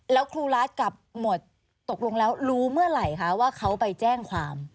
แล้วครูรัฐกับหมวดตกลงแล้วรู้เมื่อไหร่คะว่าเขาไปแจ้งความ